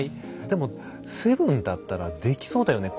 でも「７」だったらできそうだよね。